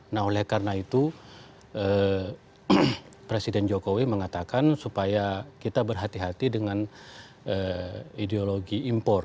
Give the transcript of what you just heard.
nah oleh karena itu presiden jokowi mengatakan supaya kita berhati hati dengan ideologi impor